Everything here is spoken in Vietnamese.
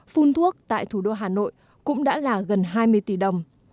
phun thuốc tại thủ đô hà nội cũng đã là gần hai mươi tỷ đồng